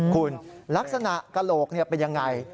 คุณลักษณะกระโหลกเป็นยังไง